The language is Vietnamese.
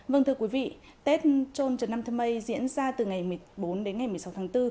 vâng thưa quý vị tết trôn trần nam thơ mây diễn ra từ ngày một mươi bốn đến ngày một mươi sáu tháng bốn